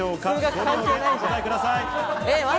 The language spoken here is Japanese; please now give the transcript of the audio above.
５秒でお答えください。